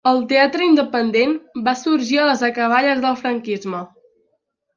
El teatre independent va sorgir a les acaballes del franquisme.